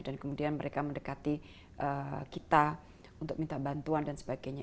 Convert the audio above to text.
dan kemudian mereka mendekati kita untuk minta bantuan dan sebagainya